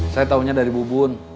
saya taunya dari bu bun